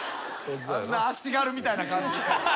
あんな足軽みたいな感じ。